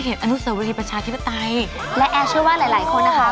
อนุสวรีประชาธิปไตยและแอร์เชื่อว่าหลายหลายคนนะคะ